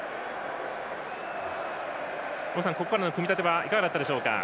大野さん、ここからの組み立てはいかがだったでしょうか。